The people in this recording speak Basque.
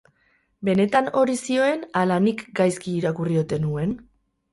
Benetan hori zioen ala nik gaizki irakurri ote nuen?